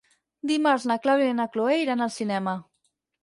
Dimarts na Clàudia i na Cloè iran al cinema.